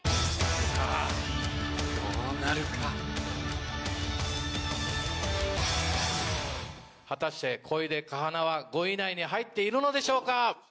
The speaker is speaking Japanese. ・さぁどうなるか・果たして小出夏花は５位以内に入っているのでしょうか？